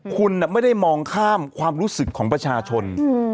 คุณไม่ได้มองข้ามความรู้สึกของประชาชน